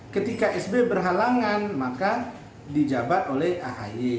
ketua umum berhalangan di sby jadi di jabat ahy